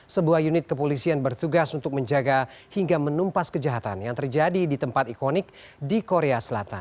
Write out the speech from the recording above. sebuah unit kepolisian bertugas untuk menjaga hingga menumpas kejahatan yang terjadi di tempat ikonik di korea selatan